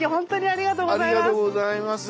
ありがとうございます。